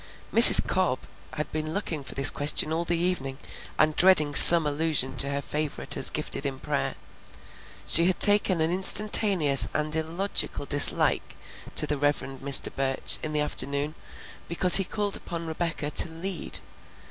Mrs. Cobb had been looking for this question all the evening and dreading some allusion to her favorite as gifted in prayer. She had taken an instantaneous and illogical dislike to the Rev. Mr. Burch in the afternoon because he called upon Rebecca to "lead."